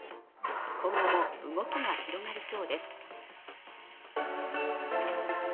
今後も動きが広がりそうです。